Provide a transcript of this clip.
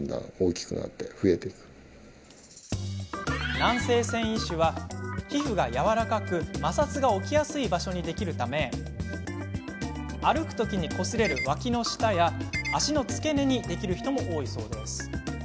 軟性線維腫は皮膚がやわらかく摩擦が起きやすい場所にできるため歩くときにこすれるわきの下や脚の付け根にできる人も多いそうです。